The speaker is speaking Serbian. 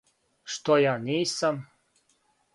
Што ја нисам!